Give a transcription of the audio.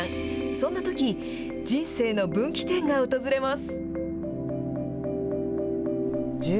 そんなとき、人生の分岐点が訪れます。